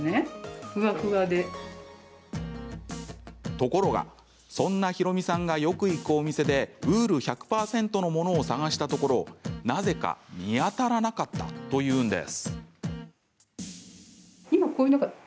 ところが、そんなひろみさんがよく行くお店でウール１００％のものを探したところ、なぜか見当たらなかったというんです。